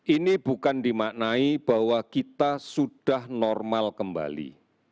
ini bukan dimaknai bahwa kita sudah normal kembali